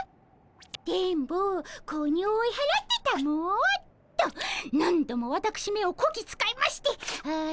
「電ボ子鬼を追い払ってたも」。と何度もわたくしめをこき使いましてあしんど。